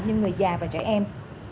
như người già và trẻ em